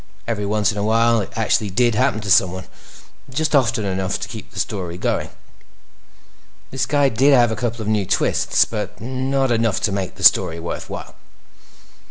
Every once in a while, it actually did happen to someone; just often enough to keep the story going. This guy did have a couple of new twists, but not enough to make the story worthwhile.